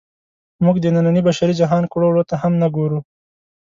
موږ د ننني بشري جهان کړو وړو ته هم نه ګورو.